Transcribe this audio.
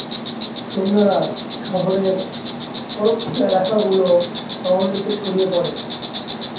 সৈন্যরা শহরের অরক্ষিত এলাকাগুলো টহল দিতে ছড়িয়ে পড়ে।